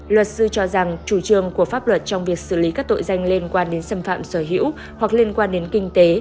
luật sư cho rằng chủ trương của pháp luật trong việc xử lý các tội danh liên quan đến xâm phạm sở hữu hoặc liên quan đến kinh tế